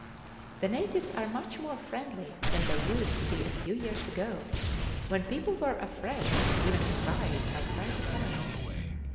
The natives are much more friendly than they used to be a few years ago, when people were afraid even to ride outside the town.